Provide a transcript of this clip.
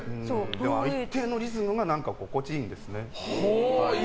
一定のリズムが心地いいんですね。